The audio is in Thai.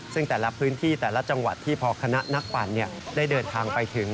ซึ่งแต่ละพื้นที่แต่ละจังหวัดที่พอคณะนักปั่นได้เดินทางไปถึง